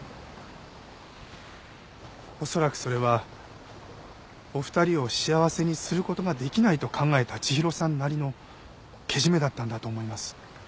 恐らくそれはお二人を幸せにする事ができないと考えた千尋さんなりのけじめだったんだと思います。